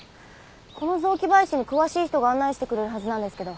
この雑木林に詳しい人が案内してくれるはずなんですけど。